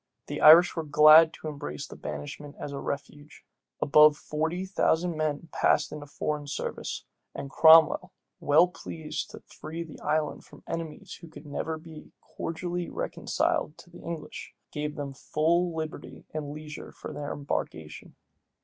The Irish were glad to embrace banishment as a refuge, Above forty thousand men passed into foreign service; and Cromwell, well pleased to free the island from enemies who never could be cordially reconciled to the English, gave them full liberty and leisure for their embarkation.